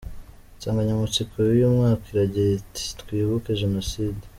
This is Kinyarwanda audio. Insanganyamatsiko yuyu mwaka iragira iti Twibuke Jenoside.